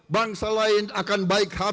bangsa lain akan baik baik saja